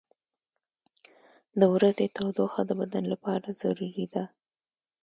• د ورځې تودوخه د بدن لپاره ضروري ده.